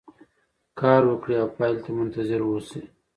کار وکړئ او پایلې ته منتظر اوسئ.